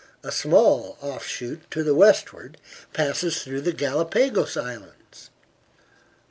A small offshoot to the westward passes through the Galapagos Islands.